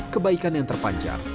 kebaikan yang terpanjang